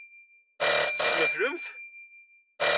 Tesneflem-t?